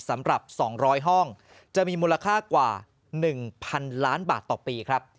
สำหรับ๒๐๐ห้องจะมีมูลค่ากว่า๑๐๐๐ล้านบาทต่อปีครับ